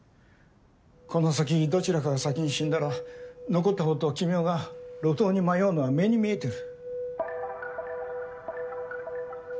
この先どちらかが先に死んだら残ったほうと君雄が路頭に迷うのは目に見えてる。